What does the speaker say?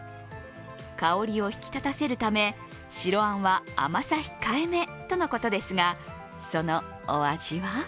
香りを引き立たせるため白あんは甘さ控えめとのことですがその味は？